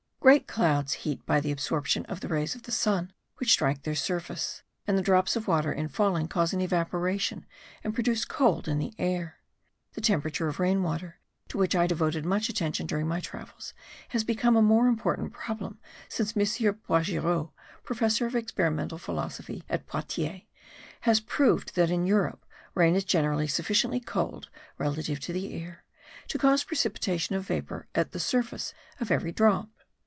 Great clouds heat by the absorption of the rays of the sun which strike their surface; and the drops of water in falling cause an evaporation and produce cold in the air. The temperature of rain water, to which I devoted much attention during my travels, has become a more important problem since M. Boisgiraud, Professor of Experimental Philosophy at Poitiers, has proved that in Europe rain is generally sufficiently cold, relatively to the air, to cause precipitation of vapour at the surface of every drop.